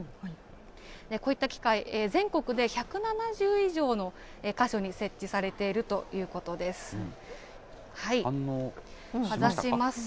こういった機械、全国で１７０以上の箇所に設置されているということです。